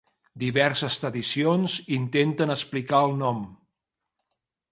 Diverses tradicions intenten explicar el nom.